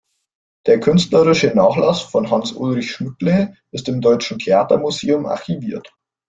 Der künstlerische Nachlass von Hans-Ulrich Schmückle ist im Deutschen Theatermuseum archiviert.